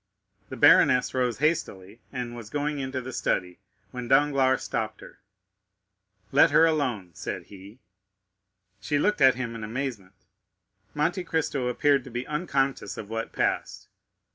The baroness rose hastily, and was going into the study, when Danglars stopped her. "Let her alone," said he. She looked at him in amazement. Monte Cristo appeared to be unconscious of what passed.